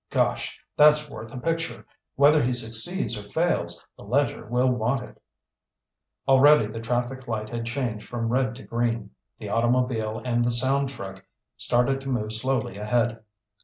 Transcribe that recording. Gosh, that's worth a picture! Whether he succeeds or fails, the Ledger will want it." Already the traffic light had changed from red to green. The automobile and the sound truck started to move slowly ahead.